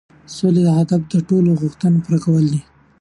د سولې هدف د ټولو د غوښتنو پوره کول دي.